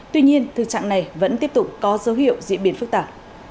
tuy nhiên thực trạng này vẫn tiếp tục có dấu hiệu diễn biến phức tạp